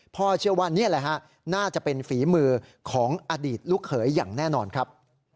พ่อเชื่อว่านี่แหละฮะน่าจะเป็นฝีมือของอดีตลูกเขยอย่างแน่นอนครับ